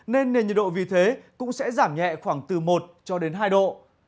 nên nền nhiệt độ vì thế cũng sẽ giảm nhẹ khoảng từ một cho đến hai độ